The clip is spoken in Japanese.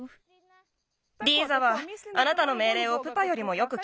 リーザはあなたのめいれいをプパよりもよくきく。